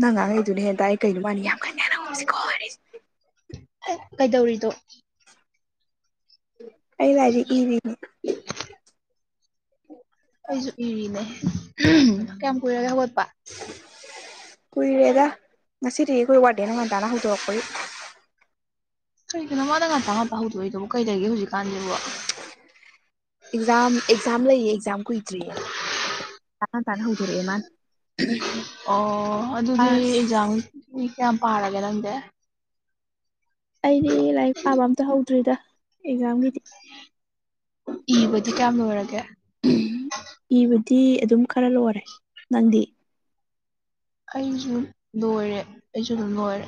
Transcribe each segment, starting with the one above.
ꯅꯪ ꯉꯥꯡꯉꯩꯗꯨꯅ ꯍꯦꯛꯇ ꯑꯩ ꯀꯩꯅꯣ ꯃꯥꯅꯤ ꯌꯥꯝ ꯈ ꯀꯩꯗꯧꯔꯤꯗꯣ ꯑꯩ ꯂꯔꯤꯦ ꯏꯅꯤ ꯎ ꯑꯩꯁꯨ ꯏꯔꯤꯅꯦ ꯀꯌꯥꯝ ꯀꯨꯏꯔꯒꯦ ꯍꯧꯒꯠꯄ ꯀꯨꯏꯔꯦꯗ ꯉꯁꯤꯗꯤ ꯑꯩꯈꯣꯏ ꯋꯥꯗꯦ ꯅ ꯉꯟꯇꯥꯅ ꯍꯧꯗꯣꯔꯛꯄꯒꯤ ꯀꯔꯤꯒꯤꯅꯣ ꯃꯥꯗ ꯉꯄ ꯉꯠꯄ ꯍꯧꯗꯣꯛꯏꯗꯕꯣ ꯀꯩꯗꯒꯦ ꯍꯧꯖꯤꯛꯀꯥꯟꯁꯤꯦꯣ ꯑꯦꯛꯖꯥꯝ ꯑꯦꯛꯖꯥꯝ ꯂꯩꯌꯦ ꯑꯦꯛꯖꯥꯝ ꯀꯨꯏꯗ꯭ꯔꯤꯌꯦ ꯇꯥꯅ ꯇꯥꯅ ꯍꯧꯗꯣꯔꯛꯑꯦ ꯃꯥꯅ ꯑꯣ ꯑꯗꯨꯗꯤ ꯑꯁ ꯑꯦꯛꯖꯥꯝ ꯀꯌꯥꯝ ꯄꯥꯔꯒꯦ ꯅꯪꯗꯤ ꯑꯩꯗꯤ ꯂꯥꯏꯔꯤꯛ ꯄꯥꯕ ꯑꯝꯇ ꯍꯧꯗ꯭ꯔꯤꯗ ꯑꯦꯛꯖꯥꯝꯒꯤꯗꯤ ꯏꯕꯗꯤ ꯀꯌꯥꯝ ꯂꯣꯏꯔꯒꯦ ꯏꯕꯗꯤ ꯑꯗꯨꯝ ꯈꯔ ꯂꯣꯏꯔꯦ ꯅꯪꯗꯤ ꯑꯩꯁꯨ ꯂꯣꯏꯔꯦ ꯑꯩꯁꯨ ꯑꯗꯨꯝ ꯂꯣꯏꯔꯦ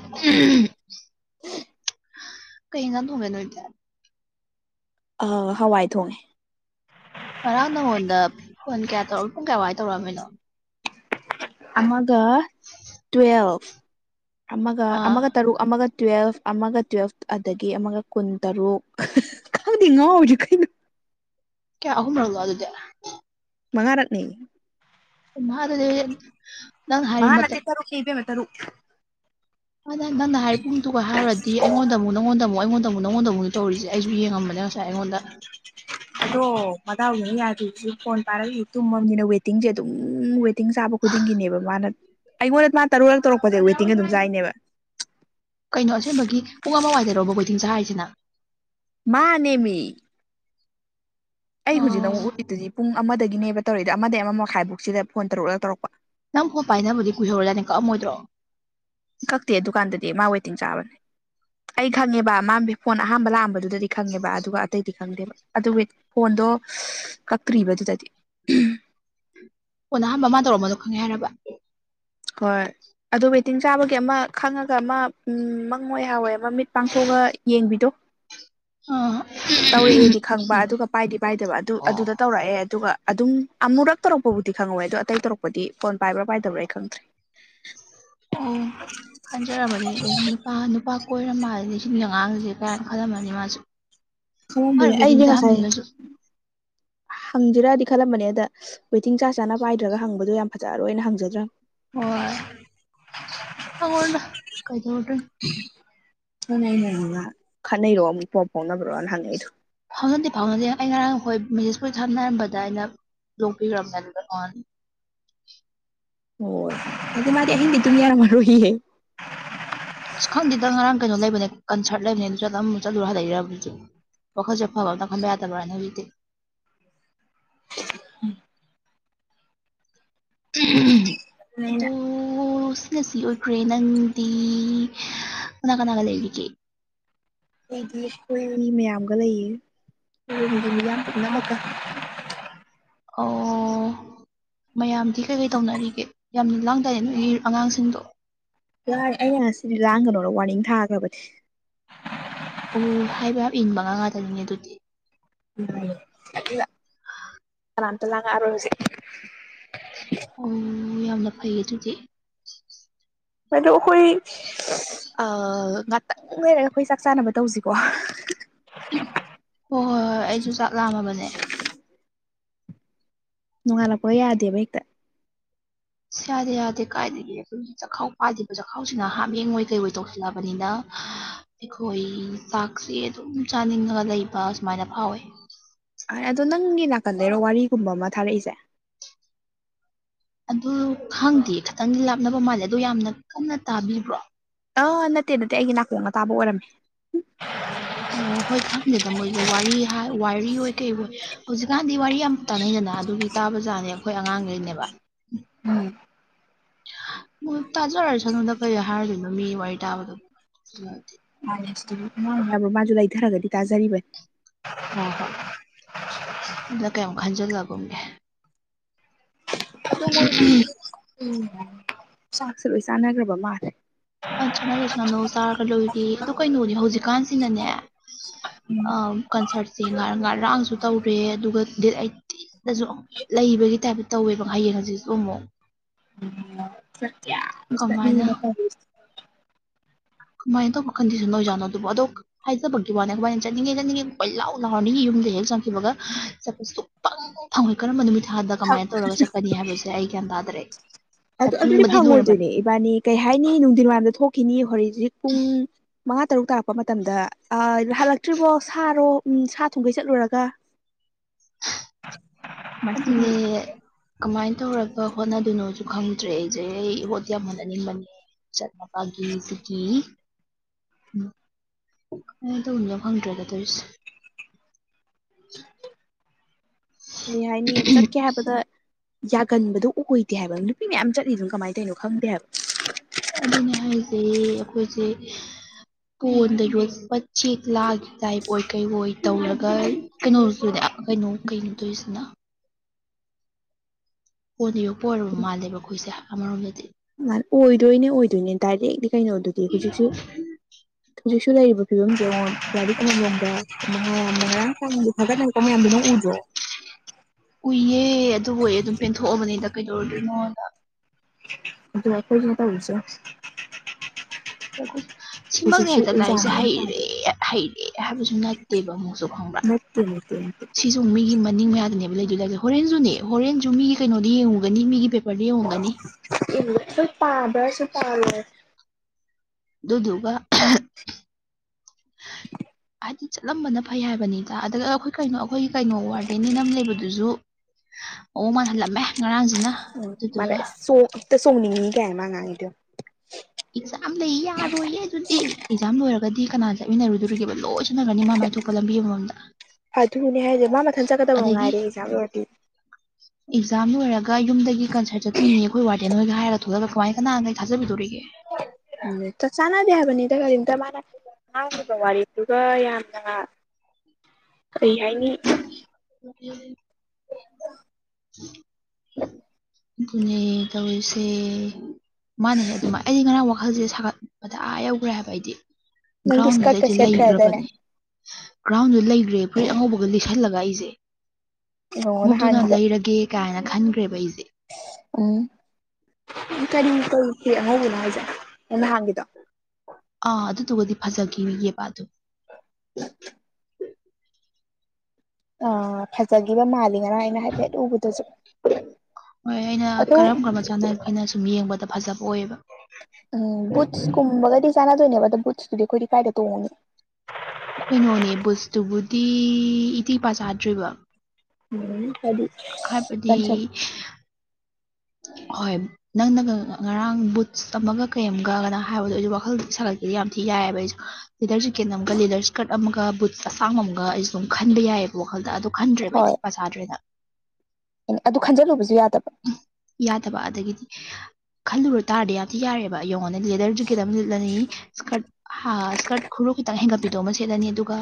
ꯀꯩ ꯉ ꯊꯨꯋꯦꯟꯅ ꯏ ꯇꯌꯥꯔ ꯑꯥ ꯍꯋꯥꯏ ꯊꯣꯡꯉꯦ ꯉꯔꯥꯡ ꯅꯪꯉꯣꯟꯗ ꯐꯣꯟ ꯀꯌꯥ ꯇꯧꯔꯛ ꯄꯨꯡ ꯀꯌꯥꯋꯥꯏꯗ ꯇꯧꯔꯛꯝꯃꯤꯅꯣ ꯑꯃꯒ ꯇꯨꯋꯦꯜꯐ ꯑꯃꯒ ꯑꯥ ꯑꯃꯒ ꯇꯔꯨꯛ ꯑꯃꯒ ꯇꯨꯋꯦꯜꯐ ꯑꯃꯒ ꯇꯨꯋꯦꯜꯐ ꯑꯗꯒꯤ ꯑꯃꯒ ꯀꯨꯟ ꯇꯔꯨꯛ ꯈꯪꯗꯤ ꯉꯥꯎꯔꯤꯑ ꯀꯩꯅꯣ ꯀꯌꯥ ꯑꯍꯨꯝꯂꯒ ꯑꯗꯨꯗꯤ ꯃꯉꯥꯔꯠꯅꯌꯦ ꯎ ꯃꯥꯔꯗꯦꯕꯤ ꯃꯥ ꯅꯦ ꯇꯔꯨ ꯀꯕꯃꯦ ꯇꯔꯨꯛ ꯑꯗ ꯅꯪꯅ ꯍꯥꯏꯔꯤ ꯄꯨꯡꯗꯨꯒ ꯍꯥꯏꯔꯨꯔꯗꯤ ꯑꯩꯉꯣꯟꯗ ꯑꯃꯨꯛ ꯅꯪꯉꯣꯟꯗ ꯑꯃꯨꯛ ꯑꯩꯉꯣꯟꯗꯕꯨꯛ ꯅꯪꯉꯣꯟꯗꯕꯨꯛ ꯇꯧꯔꯤꯁꯦ ꯑꯩꯁꯨ ꯌꯦꯡꯉꯝꯕꯅꯦ ꯉꯁꯥꯏ ꯑꯩꯉꯣꯟꯗ ꯑꯗꯣ ꯗꯥꯎꯗꯅ ꯌꯥꯗ꯭ꯔꯔꯤ ꯐꯣꯟ ꯄꯥꯔꯛꯒ ꯇꯨꯝꯃꯕꯅꯤꯅ ꯋꯦꯇꯤꯡꯁꯦ ꯑꯗꯨꯝ ꯇꯤꯡ ꯆꯥꯕ ꯈꯨꯗꯤꯡꯒꯤꯅꯦꯕ ꯃꯥꯅ ꯑꯩꯉꯣꯟꯗ ꯃꯥ ꯇꯔ ꯇꯧꯔꯛꯄ ꯀꯩꯅꯣ ꯑꯁꯦꯡꯕꯒꯤ ꯄꯨꯡ ꯑꯃ ꯋꯥꯏꯗꯔꯕ ꯀꯣꯏꯆꯤꯡꯆꯥꯥ ꯍꯥꯏꯔꯤꯁꯤꯅ ꯃꯥꯅꯦꯃꯤ ꯑꯩ ꯍꯧꯖꯤꯛ ꯑꯣ ꯑꯃꯨꯛ ꯎꯔꯤꯗꯨꯗꯤ ꯄꯨꯡ ꯑꯃꯗꯒꯤꯅꯦꯕ ꯇꯧꯔꯏꯣ ꯑꯃ ꯑꯃ ꯃꯈꯥꯏꯐꯧꯛꯁꯤꯗ ꯐꯣꯟ ꯇꯧꯔꯛꯂꯒ ꯇꯧꯔꯛꯄ ꯅꯪ ꯍꯣ ꯄꯥꯏꯅꯕꯕꯨꯗꯤ ꯀꯨꯍꯧꯔ ꯌꯥꯅꯤꯀꯣ ꯑꯃꯣꯏꯗ꯭ꯔꯣ ꯀꯛꯇꯦ ꯗꯨꯀꯥꯟꯗꯗꯤ ꯃꯥ ꯋꯦꯇꯤꯡ ꯆꯥꯕꯅꯦ ꯑꯩ ꯈꯪꯉꯦꯕ ꯃꯥꯕꯤ ꯐꯣꯟ ꯑꯍꯝꯕ ꯂꯥꯛꯑꯝꯕꯗꯨ ꯑꯗꯨꯗꯤ ꯈꯪꯉꯦꯕ ꯑꯗꯨꯒ ꯑꯇꯩꯗꯤ ꯈꯪꯗꯦꯕ ꯑꯗꯨꯒ ꯐꯣꯟꯗꯣ ꯀꯛꯇ꯭ꯔꯤꯕꯗꯨꯗꯗꯤ ꯐꫭꯟ ꯑꯍꯥꯟꯕ ꯃꯥ ꯇꯧꯔꯝꯕꯗꫭ ꯈꯪꯑ ꯍꯥꯏꯔꯕ ꯍꯣꯏ ꯑꯗꯨ ꯋꯦꯇꯤꯡ ꯆꯥꯕꯒꯤ ꯑꯃ ꯈꯪꯉꯒ ꯑꯃ ꯎ ꯃꯪꯉꯣꯏꯍꯥꯎꯋꯏ ꯑꯃ ꯃꯤꯠ ꯄꯥꯡꯊꯣꯛꯑꯒ ꯌꯦꯡꯕꯤꯗꯣ ꯑ ꯇꯧꯔꯛꯑꯦꯗꯤ ꯈꯪꯕ ꯑꯗꯨꯒ ꯄꯥꯏꯗꯤ ꯄꯥꯏꯗꯕ ꯑꯗꯨ ꯑꯗꯨꯗ ꯇꯧꯔꯛꯑꯦ ꯑꯗꯨꯒ ꯑꯗꯨꯝ ꯑꯃꯨꯔꯛ ꯇꯧꯔꯛꯄꯕꯨꯗꯤ ꯈꯪꯉꯍꯧ ꯑꯦ ꯑꯗꯨꯣ ꯑꯇꯩ ꯇꯧꯔꯛꯄ ꯗꯤ ꯐꯣꯟ ꯄꯥꯏꯕ꯭ꯔꯥ ꯄꯥꯏꯕ꯭ꯔꯥ ꯑꯩ ꯈꯪꯗ꯭ꯔꯦ ꯑꯣ ꯈꯪꯖꯔꯥꯕꯅꯤ ꯑꯦ ꯅꯨꯄꯥ ꯅꯨꯄꯥ ꯀꯣꯏꯔꯝ ꯃꯥꯜꯂꯦ ꯁꯤꯡ ꯑꯉꯥꯡꯗꯨꯁꯦ ꯀꯥꯏꯅ ꯈꯜꯂꯝꯃꯅꯤ ꯃꯥꯁꯨ ꯈꯜꯂꯝꯗꯦ ꯃꯥꯅ ꯋꯦꯗꯤꯡ ꯑꯩꯁꯦ ꯉꯁꯥꯏ ꯆꯥꯍꯟꯕꯁꯤꯅꯁꯨ ꯍꯪꯁꯤꯔꯗꯤ ꯈꯜꯂꯝꯕꯅꯦ ꯑꯗ ꯋꯦꯇꯤꯡ ꯆꯥꯔꯖ ꯆꯥꯅ ꯄꯥꯏꯗ꯭ꯔꯒ ꯍꯪꯕꯗꯣ ꯌꯥꯝ ꯐꯖꯔꯣꯏꯅ ꯍꯪꯖꯗ꯭ꯔꯥ ꯍ ꯑꯉꯣꯗ ꯀꯩꯗꯧꯗꯨꯅꫭ ꯈꯠꯅꯩꯔꯣ ꯑꯃꯨꯛ ꯄꯥꯎ ꯐꯥꯎꯅꯕ꯭ꯔꯣꯅ ꯍꯪꯉꯛꯏꯗꯣ ꯐꯥꯎꯖꯗꯦ ꯐꯥꯎꯖꯗꯦ ꯑꯩ ꯉꯔꯥꯡ ꯍꯣꯏ ꯃꯦꯁꯦꯖ ꯄꯣꯏ ꯁꯥꯟꯅꯔꯝꯕꯗ ꯑꯩꯅ ꯌꯣꯛꯄꯤꯈ꯭ꯔꯕꯅꯦ ꯑꯗꯨ ꯀꯅꯤ ꯑꯣ ꯑꯗꯨ ꯃꯥꯗꯤ ꯑꯍꯤꯡꯗꯤ ꯇꯃꯤꯔ ꯑꯃꯔꯣꯍꯤꯍꯦ ꯑꯁ ꯈꯪꯗ ꯉꯔꯥꯡ ꯀꯩꯅꯣ ꯂꯩꯕꯅꯦ ꯀꯟꯁꯔꯠ ꯂꯩꯕꯅꯦ ꯑꯗꯨ ꯆꯠꯂꯝ ꯑꯃꯨ ꯆꯠꯂꯨꯔ ꯂꯩꯗꯤ ꯋꯥꯈꯜꯁꯦꯐꯕ ꯑꯃꯅ ꯈꯟꯕ ꯌꯥꯗꯕ꯭ꯔꯅ ꯍꯧꯖꯤꯛꯇꯤ ꯑꯗꯨꯅ ꯑꯩꯅ ꯑꯗꯨ ꯉ ꯁꯤ ꯑꯣꯏꯈ꯭ꯔꯦ ꯅꯪꯗꯤ ꯀꯅꯥ ꯀꯅꯥꯒ ꯂꯩꯔꯤꯒꯦ ꯑꯩꯗꯤ ꯁ꯭ꯀꯨꯜ ꯃꯤ ꯃꯌꯥꯝꯒ ꯂꯩꯌꯦ ꯁꯀꯨꯜꯒ ꯃꯤꯌꯥꯝ ꯄꯨꯝꯅꯃꯛꯀ ꯑꯣ ꯃꯌꯥꯝꯗꯤ ꯀꯩ ꯀꯩ ꯇꯧꯅꯔꯤꯒꯦ ꯌꯥꯝꯅ ꯂꯥꯡꯗꯥꯏ ꯅꯣꯏꯒꯤ ꯑꯉꯥꯡꯁꯤꯡꯗꯣ ꯌꯥꯏ ꯑꯩꯅ ꯉꯁꯤꯗꯤ ꯂꯥꯡꯒꯅꯣꯅ ꯋꯥꯔꯡ ꯊꯥꯈ꯭ꯔꯕꯗꯤ ꯑꯣ ꯍꯥꯏꯕ ꯌꯥꯝ ꯏꯟꯕ ꯑꯉꯥꯡ ꯉꯇꯅꯤꯅꯦ ꯑꯗꯨꯗꯤ UNINTELLIGIBLE ꯀꯅꯥ ꯑꯃꯥꯇ ꯂꯉꯥꯛ ꯑꯔꯣꯏ ꯑꯣ ꯌꯥꯝꯅ ꯐꯩꯌꯦ ꯑꯗꯨꯗꯤ ꯑꯗꯣ ꯑꯩꯈꯣꯏ ꯉꯥꯛꯇꯪ ꯂꯩꯔꯒ ꯑꯩꯈꯣꯏ ꯆꯥꯛ ꯆꯥꯅꯕ ꯇꯧꯁꯤꯀꯣ ꯍꯣꯏ ꯍꯣꯏ ꯍꯣꯏ ꯑꯩꯁꯨ ꯆꯥꯛ ꯂꯥꯝꯃꯕꯅꯦ ꯅꯣꯡꯉꯥꯜꯂꯛꯄ ꯌꯥꯗꯦꯕ ꯍꯦꯛꯇ ꯑꯁ ꯌꯥꯗꯦ ꯀꯥꯏꯗꯒꯤ ꯑꯩꯈꯣꯏꯒꯤ ꯆꯥꯛꯈꯥꯎ ꯄꯥꯗꯕ ꯆꯥꯛꯈꯥꯎꯁꯤꯅ ꯍꯥꯞꯃꯦꯡꯉꯣꯏ ꯀꯩ ꯑꯣꯏꯣꯏ ꯇꯧꯁꯤꯜꯂꯛꯑꯕꯅꯤꯅ ꯑꯩꯈꯣꯏ ꯆꯥꯛꯁꯦ ꯑꯗꯨꯝ ꯆꯥꯅꯤꯡꯉꯒ ꯂꯩꯕ ꯁꯨꯃꯥꯏꯅ ꯐꯥꯎꯋꯦ ꯑꯗꯣ ꯅꯪꯒꯤ ꯅꯥꯀꯟꯗꯩꯔꯣ ꯋꯥꯔꯤꯒꯨꯝꯕ ꯑꯃ ꯊꯥꯔꯛꯏꯁꯦ ꯑꯗꯨ ꯈꯪꯗꯦ ꯈꯤꯇꯪꯗꯤ ꯂꯥꯞꯅꯕ ꯃꯥꯜꯂꯦ ꯑꯗꯣ ꯌꯥꯝꯅ ꯀꯟꯅ ꯇꯥꯕꯤꯕ꯭ꯔꯣ ꯑꯥ ꯅꯠꯇꯦ ꯅꯠꯇꯦ ꯑꯩꯒꯤ ꯅꯥꯀꯣꯡꯅ ꯇꯥꯕ ꯑꯣꯏꯔꯝꯃꯦ ꯑꯣ ꯍꯣꯏ ꯈꯪꯗꯦꯗ ꯃꯣꯏꯖꯦ ꯋꯥꯔꯤ ꯍꯥꯏ ꯋꯥꯔꯤ ꯑꯣꯏ ꯀꯩ ꯑꯣꯏ ꯍꯧꯖꯤꯛꯀꯥꯟꯗꯤ ꯋꯥꯔꯤ ꯌꯥꯝ ꯇꯥꯅꯩꯗꯅ ꯑꯗꯨꯒꯤ ꯇꯥꯕ ꯖꯥꯠꯅꯤ ꯑꯩꯈꯣꯏ ꯑꯉꯥꯡꯒꯩꯅꯦꯕ ꯎꯝ ꯃꯣꯏ ꯇꯥꯖꯔ ꯁꯅꯣꯗ ꯀꯩ ꯍꯥꯏꯔꯨꯗꯣꯏꯅꯣ ꯃꯤ ꯋꯥꯔꯤ ꯇꯥꯕꯗꯨ ꯎꯝ [unintelligible] ꯃꯣꯏ ꯍꯥꯏꯕ ꯃꯥꯖꯨ ꯂꯩꯊꯔꯒꯗꯤ ꯇꯥꯖꯔꯤꯕꯅꯤ ꯍꯣ ꯍꯣꯏ ꯑꯗ ꯀꯩꯝ ꯈꯟꯖꯤꯜꯂꯒꯨꯝꯒꯦ ꯎꯝ ꯆꯥꯛꯁꯦ ꯂꯣꯏ ꯆꯥꯟꯅꯈ꯭ꯔꯕ ꯃꯥꯜꯂꯦ ꯑ ꯁꯠꯅꯖꯠꯁꯅꯣ ꯆꯥꯔꯒ ꯂꯣꯏꯔꯤ ꯑꯗꯨ ꯀꯩꯅꯣꯅꯦ ꯍꯧꯖꯤꯛꯀꯥꯟꯁꯤꯅꯅꯦ ꯀꯟꯁꯥꯔꯠꯁꯦ ꯉ ꯉꯔꯥꯡꯁꯨ ꯇꯧꯔꯦ ꯑꯗꯨꯒ ꯗꯦꯠ ꯑꯩꯠꯇꯤꯟꯗꯁꯨ ꯂꯩꯕꯒꯤ ꯇꯥꯏꯞꯇ ꯇꯧꯋꯦꯕ ꯍꯌꯦꯡ ꯍꯧꯖꯤꯛꯁꯨ ꯑꯃꯨ ꯑꯃꯨꯛ ꯆꯠꯇꯤ ꯌꯥꯝ ꯀꯃꯥꯏꯅ ꯆꯠꯅꯪꯕ ꯇꯧꯔꯤꯁꯦ ꯑꯃꯨꯛ ꯀꯃꯥꯏꯅ ꯇꯧꯕ ꯈꯟꯗꯁꯤꯅꯣ ꯑꫭꯏꯖꯥꯠꯅꯣ ꯑꯗꯨꯕꯨ ꯑꯗꯣ ꯍꯥꯏꯖꯕꯒꯤ ꯋꯥꯅꯦ ꯀꯃꯥꯏꯅ ꯆꯠꯅꯤꯡꯉꯦ ꯆꯠꯅꯤꯡꯉꯦꯣꯏ ꯂꯥꯎ ꯂꯥꯎꯅꯤꯡꯉ ꯌꯨꯝꯗ ꯍꯦꯛ ꯆꯪꯈꯤꯕꯒ ꯆꯠꯄ ꯁꯨꯞꯄ ꯊꯥꯡꯃꯣꯏ ꯀꯔꯝꯕ ꯅꯨꯃꯤꯠ ꯊꯥꯗ ꯀꯃꯥꯏꯅ ꯇꯧꯔꯒ ꯆꯠꯀꯅꯤ ꯍꯥꯏꯕꯁꯦ ꯑꯩ ꯒ꯭ꯌꯥꯟ ꯇꯥꯗꯔꯦ ꯑꯗꯨ ꯑꯗꯨꯗꯤ ꯆꯠꯅꯤꯡꯕꯗꯤ ꯂꯣꯏꯔꯕꯅꯤ ꯐꯪꯉꯣꯏꯗꯣꯏꯅꯦ ꯏꯕꯥꯅꯤ ꯀꯩ ꯍꯥꯏꯅꯤ ꯅꯨꯡꯊꯤꯟ ꯋꯥꯏꯝꯗ ꯊꯣꯛꯈꯤꯅꯤ ꯍꯣꯔꯖꯤꯛ ꯄꯨꯡ ꯃꯉꯥ ꯇꯔꯨꯛ ꯇꯥꯔꯛꯄ ꯃꯇꯝꯗ ꯑ ꯍꯜꯂꯛꯇ꯭ꯔꯤꯕꯣ ꯁꯥꯔꯣ ꯎꯝ ꯁꯥ ꯊꯨꯡꯒꯩ ꯆꯠꯂꯨꯔꯒ ꯃꯁꯤꯒꯤ ꯑꯗꯨꯅꯦ ꯀꯃꯥꯏꯟ ꯇꯧꯔꯒ ꯍꯣꯠꯅꯗꯣꯏꯅꯣꯖꯨ ꯈꯪꯗ꯭ꯔꯦ ꯑꯩꯖꯦ ꯍꯣꯠꯇꯤ ꯌꯥꯝ ꯍꯣꯠꯅꯅꯤꯡꯕꯅꯦ ꯆꯠ ꯃꯄꯥ ꯒꯤꯖꯨ ꯀꯤ [unintelligible] ꯀꯃꯥꯏ ꯇꯧꯗꯣꯏꯅꯣ ꯐꯪꯗ꯭ꯔꯦꯗ ꯇꯧꯏꯁꯦ ꯀꯔꯤ ꯍꯥꯏꯅꯤ ꯆꯠꯀꯦ ꯍꯥꯏꯕꯗ ꯌꯥꯒꯟꯕꯗꯣ ꯎ ꯑꯣꯏꯗꯦ ꯍꯥꯏꯕ ꯅꯨꯄꯤ ꯃꯌꯥꯝ ꯆꯠꯂꯤꯗꯨꯅ ꯀꯃꯥꯏ ꯇꯩꯅꯣ ꯈꯪꯗꯦ ꯍꯥꯏꯕ ꯑꯗꯨꯅꯦ ꯍꯥꯏꯖꯦ ꯑꯈꯣꯏꯖꯦ ꯄꯣꯟꯗ ꯌꯣꯠꯄ ꯆꯦꯛꯂꯥꯒꯤ ꯇꯥꯏꯞ ꯑꯣꯏ ꯀꯩ ꯑꯣꯏ ꯇꯧꯔꯒ ꯀꯩꯅꯣ [unintelligible] ꯀꯩꯅꯣ ꯀꯩꯅꯣ ꯇꯧꯏꯁꯤꯅ ꯄꯣꯟꯗ ꯌꯣꯛꯄ ꯑꯣꯏꯔꯕ ꯃꯥꯜꯂꯦꯕ ꯑꯩꯈꯣꯏꯁꯦ ꯑꯃꯔꯣꯝꯗꯗꯤ ꯃꯥꯟ ꯑꯣꯏꯗꯣꯏꯅꯦ ꯑꯣꯏꯗꯣꯏꯅꯦ ꯗꯥꯏꯔꯦꯛꯅꯤ ꯀꯩꯅꯣꯗꯨꯗꯤ ꯍꯧꯖꯤꯛꯁꯨ ꯍꯧꯖꯤꯛꯁꯨ ꯂꯩꯔꯤꯕ ꯐꯤꯕꯝꯖꯦ ꯌꯦꯡꯉꯣ ꯂꯥꯔꯤꯛ ꯑꯃꯃꯝꯒꯥ ꯃꯍꯥꯔꯝꯗ ꯉꯔꯥꯡ ꯐꯣꯟꯗ ꯊꯥꯒꯠꯅꯔꯛꯄ ꯃꯌꯥꯝꯗꯨ ꯅꯪ ꯎꯗ꯭ꯔꯣ ꯎꯨꯏꯌꯦ ꯑꯗꯨꯕꯨ ꯑꯦ ꯑꯗꯨꯝ ꯄꯦꯟꯊꯣꯛꯑꯕꯅꯤꯗ ꯀꯩꯗꯧꯔꯨꯗꯣꯏꯅꯣꯗ ꯑꯗꯨ ꯑꯩꯈꯣꯏꯖꯨ ꯃꯊꯪꯗꯤ ꯆꯠ [unintelligible] ꯍꯧꯖꯤꯛꯁꯨ ꯁꯤꯃꯛꯅꯦ ꯍꯦꯛꯇ ꯂꯥꯏꯔꯤꯛꯁꯦ ꯑꯦꯛꯖꯥꯝꯅꯦ ꯍꯩꯔꯦ ꯊꯥꯗꯣꯏꯁꯦ ꯍꯩꯔꯦ ꯍꯥꯏꯕꯁꯨ ꯅꯠ ꯇꯦꯕ ꯑꯃꯨꯛꯁꯨ ꯈꯪꯕꯔꯥ ꯅꯠꯇꯦ ꯅꯠꯇꯦ ꯁꯤꯖꯨ ꯃꯤꯒꯤ ꯃꯅꯤꯡ ꯃꯌꯥꯗꯅꯦꯕ ꯂꯩꯗꯨꯖꯦ ꯍꯥꯌꯖꯦ ꯍꯣꯔꯦꯟꯖꯨꯅꯦ ꯍꯣꯔꯦꯟꯖꯨ ꯃꯤꯒꯤ ꯀꯩꯅꯣꯗ ꯌꯦꯡꯉꯨꯒꯅꯤ ꯃꯤꯒꯤ ꯄꯦ [unintelligible] ꯏꯟꯉꯁꯨ ꯄꯥꯕ꯭ꯔꯁꯨ ꯄꯥꯔꯣꯏ ꯗꯨꯗꯨꯒ ꯍꯥꯏꯗꯤ ꯆꯠꯂꯝꯕꯅ ꯐꯩ ꯍꯥꯏꯕꯅꯤꯗ ꯑꯗꯒ ꯑꯩꯈꯣꯏ ꯀꯩꯅꯣ ꯑꯩꯈꯣꯏꯒꯤ ꯀꯩꯅꯣ ꯋꯥꯔꯗꯦꯟꯅꯦꯅ ꯑꯃ ꯂꯩꯕꯗꯨꯖꯨ ꯑꯣ ꯃꯥ ꯍꯜꯂꯝꯃꯦ ꯉꯔꯥꯡꯖꯤꯅ ꯎꯝ ꯃꯥꯂꯛꯑꯦ ꯆꯣꯛ ꯑꯝꯇ ꯆꯣꯛꯅꯤꯡꯉꯤ ꯀꯥꯏꯅ ꯃꯥꯉꯥꯡꯏꯗꯨ ꯑꯦꯛꯖꯥꯝ ꯂꯩ ꯌꯥꯔꯣꯏꯌꯦ ꯑꯗꯨꯗꯤ ꯑꯦꯛꯖꯥꯝ ꯂꯣꯏꯔꯒꯗꯤ ꯀꯅꯥ ꯆꯠꯃꯤꯟꯅꯔꯨꯗꯣꯔꯤꯒꯦꯕ ꯂꯣꯏ ꯁꯤꯟꯅꯒ꯭ꯔꯅꯤ ꯃꯥ ꯃꯥꯏꯊꯣꯛ ꯄ ꯂꯝꯕꯤ ꯑꯃꯃꯝꯗ ꯑꯗꯨꯅꯦ ꯍꯥꯏꯁꯦ ꯃꯥ ꯃꯊꯟ ꯆꯠꯀꯗꯕ ꯑꯗꯒꯤ ꯃꯉꯥꯏꯔꯦ ꯑꯦꯛꯖꯥꯝ ꯂꯣꯏꯔꯗꯤ ꯑꯦꯛꯖꯥꯝ ꯂꯣꯏꯔꯒ ꯌꯨꯝꯗꯒꯤ ꯀꯟꯁꯔꯠ ꯆꯠꯇꯣꯏꯅꯤ ꯑꯩꯈꯣꯏ ꯋꯥꯔꯗꯦꯟ ꯍꯣꯏꯒ ꯍꯥꯏꯔ ꯑꯗꯨ ꯀꯃꯥꯏ ꯀꯅꯥꯅ ꯅꯣꯏ ꯊꯖꯕꯤꯗꯣꯔꯤꯒꯦ [unintelligible] ꯇ ꯆꯥꯅꯗꯦ ꯌꯥꯕꯅꯤꯗ ꯀꯔꯤꯝꯇ ꯃꯥꯅ ꯉꯥꯎꯔꯤꯕ ꯋꯥꯔꯤꯗꯨꯨꯒ ꯌꯥꯝꯅ ꯀꯩ ꯍꯥꯏꯅꯤ [inaudible] ꯑꯗꯨꯅꯦ ꯇꯧꯋꯤꯁꯦ ꯃꯥꯥꯅ ꯍꯦꯛ ꯑꯗꯨꯃꯥꯏ ꯑꯩ ꯉꯔꯥꯡ ꯋꯥꯈꯜꯁꯦ ꯁꯥꯒꯠꯄꯗ ꯑꯥ ꯌꯧꯈ꯭ꯔꯦ ꯍꯥꯏꯕ ꯑꯩꯗꯤ ꯅꯪꯗꯤ ꯒ꯭ꯔꯥꯎꯟ ꯏꯁꯀꯔꯠꯀ ꯂꯩꯖꯦ ꯁꯦꯠꯈ꯭ꯔꯦ ꯍꯥꯏꯗꯥꯏꯅꯦ ꯂꯩꯒ꯭ꯔꯕꯅꯦ ꯒ꯭ꯔꯥꯎꯟꯗ ꯂꯩꯒ꯭ꯔꯦ ꯐꯔꯤꯠ ꯑꯉꯧꯕꯒ ꯂꯤꯁꯜꯂꯒ ꯑꯩꯖꯦ ꯏꯉꯣ ꯈꯣꯡꯎꯞꯇꯨꯅ ꯅꯍꯥꯟꯒꯤꯗꯣ ꯂꯩꯔꯒꯦ ꯀꯥꯏꯅ ꯈꯟꯒ꯭ꯔꯦꯕ ꯑꯩꯖꯦ ꯎꯝ ꯀꯔꯤ ꯀꯔꯤ ꯐꯤ ꯑꯉꯧꯕꯅꯣ ꯍꯥꯏꯖꯦ ꯅꯣꯏ ꯅꯍꯥꯟꯒꯤꯗꯣ ꯑꯥ ꯑꯗꯨꯗꯨꯒꯗꯤ ꯐꯖꯒꯤꯌꯦꯕ ꯑꯗꯨ ꯑ ꯐꯖꯒꯤꯕ ꯃꯥꯜꯂꯤ ꯉꯔꯥꯡ ꯑꯩ ꯅꯦ ꯍꯥꯏꯐꯦꯠ ꯎꯕꯗꯁꯨ ꯑꯗꯨ ꯑꯈꯣꯏꯅ ꯁꯨꯝ ꯌꯦꯡꯕꯗ ꯐꯖꯕ ꯑꯣꯏꯌꯦꯕ ꯎꯝ ꯕꯨꯠꯁꯀꯨꯝꯕꯒꯗꯤ ꯆꯥꯟꯅꯗꯣꯏꯅꯦꯕ ꯑꯗꯣ ꯕꯨꯠꯁꯇꯨꯗꯤ ꯑꯩꯈꯣꯏꯗꯤ ꯀꯥꯏꯗ ꯇꯣꯡꯉꯨꯅꯤ ꯀꯩꯅꯣꯅꯦ ꯚꯨꯁꯇꯨꯕꯨꯗꯤ ꯏꯇꯤꯛ ꯏꯄꯥ ꯆꯥꯗ꯭ꯔꯤꯕ ꯎꯝ ꯐꯗꯤ ꯍꯥꯏꯕꯗꯤ ꯍꯣꯏ ꯅꯪꯅꯒ ꯉ ꯉꯔꯥꯡ ꯕꯨꯠꯁ ꯑꯃꯝꯒ ꯀꯩꯝꯒꯒꯅ ꯍꯥꯏꯕꯗꯣ ꯑꯩꯖꯨ ꯋꯥꯈꯜ ꯁꯥꯒꯠꯀꯦꯗꯤ ꯌꯥꯝ ꯊꯤ ꯌꯥꯏꯑꯦꯕ ꯑꯩꯁꯨ ꯂꯤꯗꯔ ꯖꯤꯀꯦꯠ ꯅ ꯑꯃꯨꯛꯀ ꯂꯤꯗꯔ ꯏꯁ꯭ꯀꯔꯠ ꯑꯃꯒ ꯕꯨꯠ ꯑꯁꯥꯡꯕ ꯑꯃꯒ ꯑꯩꯁꯨꯝ ꯈꯟꯕ ꯌꯥꯏꯑꯦꯕ ꯋꯥꯈꯜꯗ ꯑꯗꯨ ꯈꯟꯗ꯭ꯔꯦꯕ ꯑꯩꯗꯤ ꯄꯁꯥꯗ꯭ꯔꯦꯅ ꯑꯦ ꯑꯗꯨ ꯈꯟꯖꯜꯂꯨꯕꯁꯨ ꯌꯥꯗꯕꯥ ꯌꯥꯗꯕ ꯑꯗꯒꯤꯗꯤ ꯈꯜꯂꯨꯔ ꯇꯥꯔꯗꯤ ꯌꯥꯔꯦꯕ ꯑꯩ ꯌꯦꯡꯉꯣꯅꯦ ꯂꯦꯗꯔ ꯖꯦꯀꯦꯠ ꯑꯃ ꯂꯤꯠꯂꯅꯤ ꯏꯁꯀꯔꯠ ꯍꯥ ꯏꯁꯀꯔꯠ ꯈꯨꯨꯔꯨ ꯈꯤꯇꯪ ꯍꯦꯟꯒꯠꯄꯤꯗꯣ ꯃ ꯁꯦꯠꯂꯅꯤ ꯑꯗꯨꯒ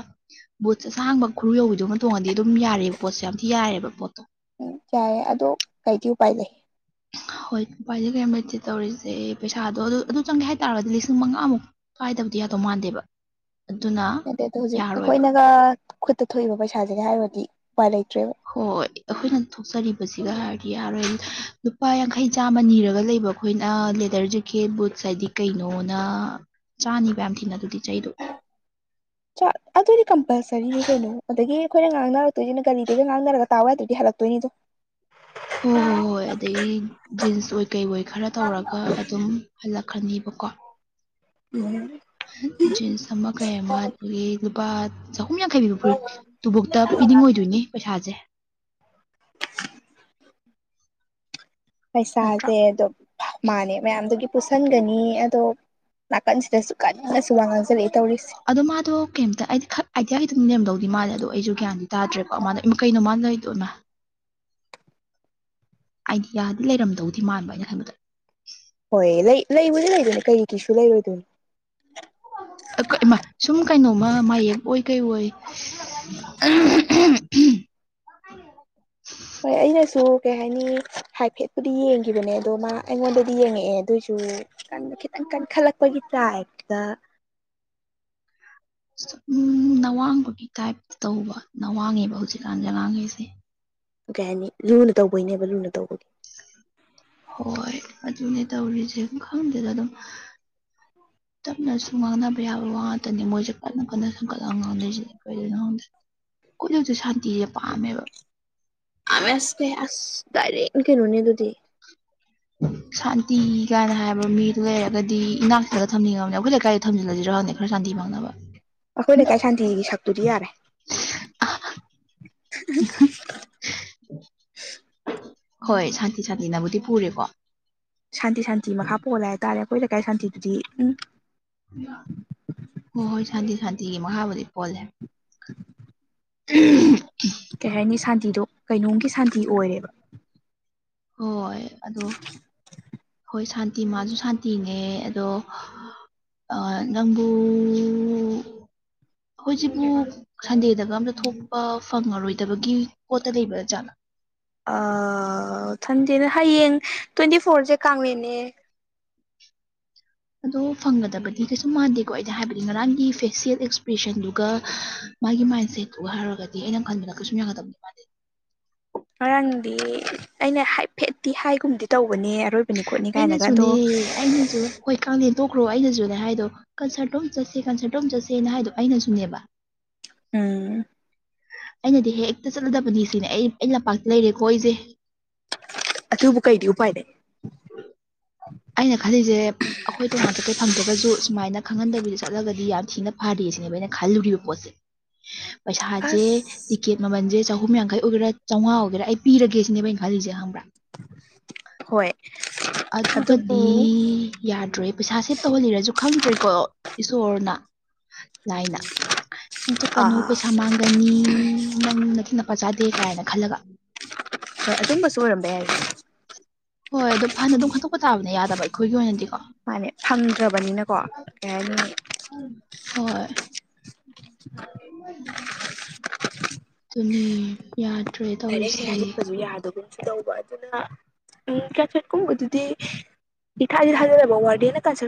ꯕꯨꯠꯁ ꯑꯁꯥꯡꯕ ꯈꯨꯔꯨ ꯌꯧꯕꯤꯗꯨꯃ ꯇꯣꯡꯉꯗꯤ ꯑꯗꯨꯝ ꯌꯥꯔꯦꯕ ꯄꯣꯠꯁ ꯌꯥꯝ ꯊꯤ ꯌꯥꯔꯦꯕ ꯄꯣꯠꯇꯣ ꯎꯝ ꯌꯥꯏꯌꯦ ꯑꯗꯣ ꯀꯩꯗꯤ ꯎꯄꯥꯏ ꯂꯩꯩ ꯍꯣꯏ ꯎꯄꯥꯏꯗꯤ ꯀꯌꯝꯂꯩꯇꯦ ꯇꯧꯔꯤꯖꯦ ꯄꯩꯁꯥꯗꯣ ꯑꯗꯨ ꯑꯗꯨ ꯆꯪꯒꯦ ꯍꯥꯏꯇꯥꯔꯗꯤ ꯂꯤꯁꯤꯡ ꯃꯉꯥꯃꯨꯛ ꯀꯥꯏꯗꯕꯗꯤ ꯌꯥꯗꯧ ꯃꯥꯟꯗꯦꯕ ꯑꯗꯨꯅ ꯌꯥꯗꯦꯗ ꯍꯧꯖꯤꯛ ꯌꯥꯔꯣꯏꯕ ꯑꯩꯈꯣꯏꯅꯒ ꯈꯨꯠꯇ ꯊꯣꯛꯏꯕ ꯄꯩꯁꯥꯖꯤꯒ ꯍꯥꯏꯔꯨꯔꯗꯤ ꯎꯄꯥꯏ ꯂꯩꯇ꯭ꯔꯦꯕ ꯍꯣꯏ ꯑꯩꯈꯣꯏꯅ ꯊꯣꯛꯆꯔꯤꯕꯖꯤꯒ ꯍꯥꯏꯔꯗꯤ ꯌꯥꯔꯣꯏ ꯂꯨꯄꯥ ꯌꯥꯡꯈꯩ ꯆꯥꯝꯃ ꯅꯤꯔꯒ ꯂꯩꯕ ꯑꯩꯈꯣꯏꯅ ꯂꯦꯗꯔ ꯖꯦꯀꯦꯠ ꯕꯨꯠꯁ ꯍꯥꯏꯗꯤ ꯀꯩꯅꯣꯅ ꯆꯥꯅꯤꯕ ꯌꯥꯝ ꯊꯤꯅ ꯑꯗꯨꯗꯤ ꯆꯩꯗꯣ [inaudible] ꯁꯤꯗꯤ ꯀꯝꯄꯜꯁꯔꯤꯅꯤ ꯀꯩꯅꯣ ꯑꯗꯒꯤ ꯑꯩꯈꯣꯏꯅ ꯉꯥꯡꯅꯔꯛꯇꯣꯏꯖꯤꯅ ꯀꯥꯔꯤꯗꯒꯤ ꯉꯥꯡꯅꯔꯒ ꯇꯥꯎꯌꯥꯗ꯭ꯔꯗꯤ ꯍꯜꯂꯛꯇꯣꯏꯅꯤꯗꯨꯝ ꯍꯣꯏ ꯍꯣꯏ ꯍꯣꯏ ꯑꯗꯩ ꯖꯤꯟꯁ ꯑꯣꯏ ꯀꯩ ꯑꯣꯏ ꯈꯔ ꯇꯧꯔꯒ ꯑꯗꯨꯝ ꯍꯜꯂꯛꯈ꯭ꯔꯅꯦꯕꯀꯣ ꯎꯝ ꯌꯝ ꯖꯤꯟꯁ ꯑꯃꯥ ꯀꯩ ꯑꯃꯥ ꯑꯗꯨꯒꯤ ꯂꯨꯄꯥ ꯆꯍꯨꯝ ꯌꯥꯡꯈꯩꯄꯤꯕ ꯐꯨꯔꯤꯠ ꯇꯨꯕꯣꯛꯇ ꯄꯤꯅꯤꯡꯉꯣꯏꯗꯣꯏꯅꯤ ꯄꯩꯁꯥꯖꯦ ꯅꯠꯇ꯭ꯔꯥ ꯄꯩꯁꯥꯖꯦ ꯑꯗꯣ ꯃꯥꯥꯟꯅꯦ ꯃꯌꯥꯝꯗꯨꯒꯤ ꯄꯨꯁꯟꯒꯅꯤ ꯑꯗꯣ ꯀꯟꯁꯤꯗꯁꯨ ꯀꯟꯅꯁꯨ ꯋꯥ ꯉꯥꯡꯁꯤꯜꯂꯛꯑꯦ ꯇꯧꯔꯤꯁꯦ ꯑꯗꯣ ꯃꯥꯗꯣ ꯀꯩꯝꯇ ꯍꯥꯏꯗꯤ ꯈꯔ ꯑꯥꯏꯗꯤꯌꯥ ꯈꯤꯇꯪ ꯅꯦꯝꯗꯧꯗꯤ ꯃꯥꯂꯦ ꯑꯗꯣ ꯑꯩꯖꯨ ꯒꯌꯥꯟ ꯇꯗ꯭ꯔꯦꯀꯣ ꯃꯥꯅ ꯏꯃꯥ ꯀꯩꯅꯣ ꯃꯥꯅ ꯇꯧꯏꯗꯣ ꯏꯃꯥ ꯑꯥꯏꯗꯤꯌꯥꯗꯤ ꯂꯩꯔꯝꯗꯧꯗꯤ ꯃꯥꯟꯕ ꯑꯩꯅ ꯈꯟꯕꯗꯥ ꯍꯣꯏ ꯂꯩ ꯂꯩꯕꯨꯗꯤ ꯂꯩꯗꯣꯏꯅꯦ ꯀꯩ ꯀꯩꯁꯨ ꯂꯩꯔꯣꯏꯗꯣꯏꯅꯣ ꯁꯨꯝ ꯀꯩꯅꯣꯃ ꯃꯌꯦꯞ ꯑꯣꯏ ꯀꯩ ꯑꯣꯏ [inaudible] ꯍꯣꯏ ꯑꯩꯅꯁꯨ ꯀꯩ ꯍꯥꯏꯅꯤ ꯍꯥꯏꯐꯦꯠ ꯑꯗꯨꯗꯤ ꯌꯦꯡꯒꯤꯕꯅꯦ ꯑꯗꯣ ꯃꯥ ꯑꯩꯉꯣꯟꯗꯗꯤ ꯌꯦꯡꯉꯛꯑꯦ ꯑꯗꯨꯑꯣꯏꯁꯨ ꯀꯟꯒ ꯈꯤꯇꯪ ꯀꯟꯈꯠꯂꯛꯄꯒꯤ ꯇꯥꯏꯞꯇ ꯁꯨꯝ ꯅꯋꯥꯡꯕꯒꯤ ꯇꯥꯏꯞꯇ ꯇꯧꯕ ꯅꯋꯥꯡꯉꯦꯕ ꯍꯧꯖꯤꯛ ꯀꯥꯟꯖꯦ ꯑꯉꯥꯡꯒꯩꯖꯦ ꯀꯩ ꯍꯥꯏꯅꯤ ꯂꯨꯅ ꯇꯧꯕꯩꯅꯦꯕ ꯂꯨꯅ ꯇꯧꯕꯒꯤ ꯍꯣꯏ ꯑꯗꯨꯅꯦ ꯇꯧꯔꯤꯖꯦ ꯈꯪꯗꯦꯗ ꯑꯗꯨꯝ ꯇꯞꯅꯁꯨ ꯉꯥꯡꯅꯕ ꯌꯥꯕ ꯋꯥ ꯉꯇꯅꯤ ꯃꯣꯏꯖꯦ ꯀꯟꯅ ꯀꯟꯅ ꯁꯪꯒꯠꯂ ꯉꯥꯡꯅꯩꯖꯤ ꯀꯩꯒꯤꯅꯣ ꯈꯪꯗꯦ ꯀꯨꯠꯅꯖꯨ ꯁꯥꯟꯇꯤꯖꯦ ꯄꯥꯝꯃꯦꯕ ꯑꯋꯦꯁꯅꯦ ꯑꯁ ꯗꯥꯏꯔꯦꯛꯅꯦ ꯀꯩꯅꯣꯅꯦ ꯑꯗꯨꯗꯤ ꯁꯥꯟꯇꯤ ꯀꯥꯏꯅ ꯍꯥꯏꯕ ꯃꯤꯗꯨ ꯂꯩꯔꯒꯗꯤ ꯏꯅꯥꯛ ꯊꯥꯗ ꯊꯝꯅꯤꯡꯉꯕꯅꯤ ꯑꯩꯈꯣꯏ ꯂꯩꯀꯥꯏꯗ ꯊꯝꯖꯤꯜꯂꯖꯤꯔ ꯈꯪꯗꯦ ꯈꯔ ꯁꯥꯟꯇꯤ ꯐꯪꯅꯕ ꯑꯈꯣꯏ ꯂꯩꯀꯥꯏ ꯁꯥꯟꯇꯤꯒꯤ ꯁꯛꯇꯨꯗꯤ ꯌꯥꯔꯦ ꯑꯥ ꯍꯣꯏ ꯁꯥꯟꯇꯤ ꯁꯥꯟꯇꯤꯅꯕꯨꯗꯤ ꯄꯨꯔꯦꯀꯣ ꯁꯥꯟꯇꯤ ꯁꯥꯟꯇꯤ ꯃꯈꯥ ꯄꯣꯂꯦ ꯍꯥꯏꯇꯥꯔꯦ ꯑꯈꯣꯏ ꯂꯩꯀꯥꯏ ꯁꯥꯟꯇꯤꯗꯨꯗꯤ ꯎꯝ ꯍꯣꯏ ꯍꯣꯏ ꯁꯥꯟꯇꯤ ꯁꯥꯟꯇꯤꯒꯤ ꯃꯈꯥꯕꯨꯗꯤ ꯄꯣꯜꯂꯦ ꯀꯩꯍꯥꯏꯅꯤ ꯁꯥꯟꯇꯤꯗꯣ ꯀꯩꯅꯣꯝꯒꯤ ꯁꯥꯟꯇꯤ ꯑꯣꯏꯔꯦꯕ ꯍꯣꯏ ꯑꯗꯣ ꯍꯣꯏ ꯁꯥꯟꯇꯤ ꯃꯥꯖꯨ ꯁꯥꯟꯇꯤꯅꯦ ꯑꯗꯣ ꯑ ꯅꯪꯕꯨ ꯑꯈꯣꯏꯖꯤꯕꯨ ꯁꯟꯗꯦꯗꯒ ꯑꯝꯇ ꯊꯣꯛꯄ ꯐꯪꯉꯔꯣꯏꯗꯕꯒꯤ ꯄꯣꯠꯇ ꯂꯩꯕ ꯖꯥꯠꯂ ꯑ ꯊꯟꯗꯦꯗ ꯍꯌꯦꯡ ꯇ꯭ꯋꯦꯟꯇꯤ ꯐꯣꯔꯖꯦ ꯀꯥꯡꯂꯦꯟꯅꯦ ꯑꯗꯣ ꯐꯪꯒꯗꯕꯗꯤ ꯀꯩꯁꯨ ꯃꯥꯟꯗꯦꯀꯣ ꯑꯩꯗꯤ ꯍꯥꯏꯕꯗꯤ ꯉꯔꯥꯡꯒꯤ ꯐꯦꯁꯤꯌꯦꯜ ꯑꯦꯛꯁꯄ꯭ꯔꯦꯁꯟꯗꯨꯒ ꯃꯥꯒꯤ ꯃꯥꯏꯟ ꯁꯦꯠꯇꯨꯒ ꯍꯥꯏꯔꯒꯗꯤ ꯑꯩꯅ ꯈꯟꯕꯗ ꯀꯩꯁꯨꯨꯝ ꯌꯥꯒꯗꯕꯗꯤ ꯃꯥꯟꯗꯦ ꯉꯔꯥꯡꯗꯤ ꯑꯩꯅ ꯍꯥꯏꯐꯦꯠꯇꯤ ꯍꯥꯏꯒꯨꯝꯗꯤ ꯇꯧꯕꯅꯦ ꯑꯔꯣꯏꯕꯅꯤ ꯈꯣꯠꯅꯤ ꯀꯥꯏꯅꯒ ꯑꯗꯣ ꯑꯩꯅꯁꯨꯅꯦ ꯑꯩꯅꯁꯨ ꯍꯣꯏ ꯀꯥꯡꯂꯦꯟ ꯇꯣꯛꯈ꯭ꯔꯣ ꯑꯩꯅꯖꯨꯅꯦ ꯍꯥꯏꯗꯣ ꯀꯟꯁ꯭ꯔꯠꯇꯣ ꯑꯝ ꯆꯠꯁꯦ ꯀꯟꯁ꯭ꯔꯠꯇꯣ ꯑꯝ ꯆꯠꯁꯦꯅ ꯍꯥꯏꯗꯣ ꯑꯩꯅꯁꯨꯅꯦꯕ ꯎꯝ ꯑꯩꯅꯗꯤ ꯍꯦꯛꯇ ꯆꯠꯂꯗꯕꯅꯤ ꯁꯤꯅꯦ ꯑꯩ ꯑꯩ ꯂꯝꯄꯥꯛꯇ ꯂꯩꯔꯦꯀꯣ ꯑꯩꯖꯦ ꯑꯗꯨꯕꯨ ꯀꯩꯗꯤ ꯎꯄꯥꯏ ꯂꯩ ꯑꯩꯅ ꯈꯜꯂꯤꯖꯦ ꯑꯈꯣꯏ ꯇꯣꯉꯥꯟ ꯆꯠꯄꯩ ꯐꯪꯗ꯭ꯔꯒꯖꯨ ꯁꯨꯃꯥꯏꯅ ꯈꯪꯍꯟꯗꯕꯤꯗ ꯆꯠꯂꯒꯗꯤ ꯌꯥꯝ ꯊꯤꯅ ꯐꯥꯔꯦ ꯁꯤꯅꯦꯕ ꯑꯩꯅ ꯈꯜꯂꯨꯔꯤꯕ ꯄꯣꯠ ꯄꯩꯁꯥꯖꯦ ꯑꯁ ꯇꯤꯀꯦꯠ ꯃꯥꯃꯟꯖꯦ ꯆꯍꯨꯝꯌꯥꯡꯈꯩ ꯑꯣꯏꯒꯦꯔꯥ ꯆꯧꯉꯥꯒꯦꯔꯥ ꯑꯩ ꯄꯤꯔꯒꯦ ꯁꯤꯅꯦꯕ ꯑꯩꯅ ꯈꯜꯂꯤꯖꯦ ꯈꯪꯕ꯭ꯔꯥ ꯍꯣꯏ ꯑꯗꯨꯒꯗꯤ ꯑꯗꯨꯕꯨ ꯌꯥꯗ꯭ꯔꯦ ꯄꯩꯁꯥ ꯁꯦꯞ ꯇꯧꯍꯜꯂꯤꯔꯖꯨ ꯈꯪꯗ꯭ꯔꯦꯀꯣ ꯏꯁꯣꯔꯅ ꯂꯥꯏꯅ ꯅꯪ ꯆꯠꯀꯅꯨ ꯑꯥ ꯄꯩꯁꯥ ꯃꯥꯡꯒꯅꯤ ꯅꯪ ꯅꯇꯤꯛ ꯅꯄꯥ ꯆꯥꯗꯦ ꯀꯥꯏꯅ ꯈꯜꯂꯒ ꯍꯣꯏ ꯑꯗꯨꯝꯕꯁꯨ ꯑꯣꯏꯔꯝꯕ ꯌꯥꯏꯗ ꯍꯣꯏ ꯑꯗꯨ ꯐꯥꯅ ꯑꯗꯨꯝ ꯈꯟꯇꯣꯛꯄ ꯇꯥꯕꯅꯦ ꯌꯥꯗꯕ ꯑꯩꯈꯣꯏꯒꯤ ꯑꯣꯏꯅꯗꯤꯀꯣ ꯃꯥꯅꯦ ꯐꯪꯗ꯭ꯔꯕꯅꯤꯅꯀꯣ ꯀꯩ ꯍꯥꯏꯅꯤ ꯍꯣꯏ ꯑꯗꯨꯅꯤ ꯌꯥꯗ꯭ꯔꯦ ꯇꯧꯔꯤꯁꯦ ꯌꯥꯗꯒꯨꯝ ꯇꯧꯕ ꯑꯗꯨꯅ ꯎꯝ ꯆꯠꯆꯠꯀꯨꯝ ꯑꯗꯨꯗꯤ ꯏꯊꯥꯗꯤ ꯊꯥꯖꯗꯕ ꯋꯥꯔꯗꯦꯟꯅ ꯀꯟꯁ꯭ꯔꯠ